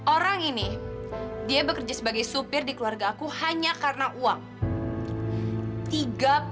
orang ini dia bekerja sebagai supir di keluarga aku hanya karena uang